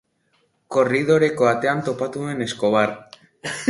Korridoreko atean topatu nuen Escobar.